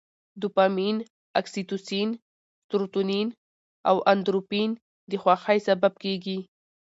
دوپامین، اکسي توسین، سروتونین او اندورفین د خوښۍ سبب کېږي.